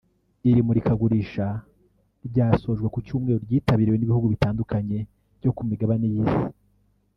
Iri murikagurisha ryasojwe ku Cyumweru ryitabiriwe n’ibihugu bitandukanye byo ku migabane y’Isi